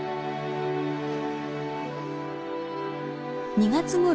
２月ごろ